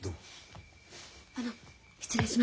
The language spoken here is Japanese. あの失礼します。